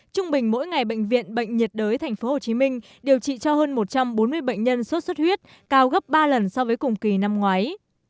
trung bình mỗi ngày bệnh viện bệnh nhiệt đới thành phố hồ chí minh điều trị cho hơn một trăm bốn mươi bệnh nhân xuất xuất huyết cao gấp ba lần so với cùng kỳ năm ngoái